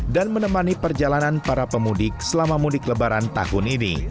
dan menemani perjalanan para pemudik selama mudik lebaran tahun ini